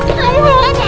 ustaz lu sana bencana